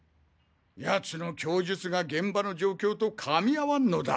奴の供述が現場の状況と噛み合わんのだ。